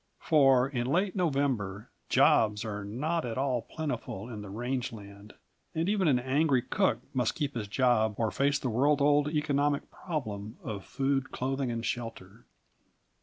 For in late November "jobs" are not at all plentiful in the range land, and even an angry cook must keep his job or face the world old economic problem of food, clothing, and shelter.